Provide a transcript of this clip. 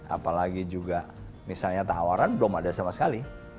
apalagi juga misalnya tawaran belum ada sama sekali